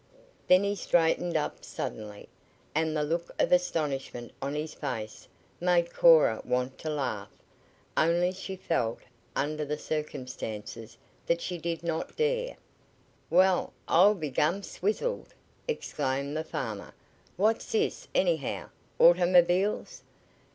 Then he straightened up suddenly, and the look of astonishment on his face made Cora want to laugh, only she felt, under the circumstances, that she did not dare. "Wa'al, I'll be gum swizzled!" exclaimed the farmer. "What's this, anyhow? Auto mobiles?